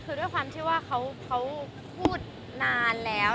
คือด้วยความที่ว่าเขาพูดนานแล้ว